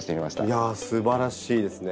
いやあすばらしいですね。